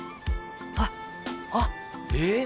あっあっえっ？